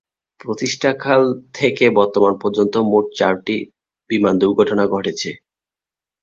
প্রতিষ্ঠাকাল থেকে বর্তমান পর্যন্ত মোট চারটি বিমান দুর্ঘটনা ঘটেছে।